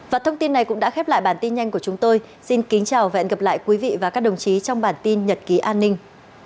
và thông tin này cũng đã khép lại bản tin nhanh của chúng tôi xin kính chào và hẹn gặp lại quý vị và các đồng chí trong bản tin nhật ký an ninh